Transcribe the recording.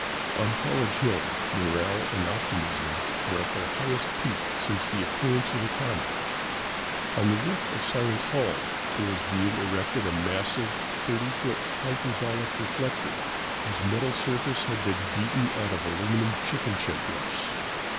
On College Hill, morale and optimism were at their highest peak since the appearance of the comet. On the roof of Science Hall there was being erected a massive, 30 foot, hyperbolic reflector whose metal surface had been beaten out of aluminum chicken shed roofs.